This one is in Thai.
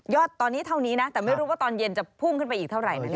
ตอนนี้เท่านี้นะแต่ไม่รู้ว่าตอนเย็นจะพุ่งขึ้นไปอีกเท่าไหร่นะ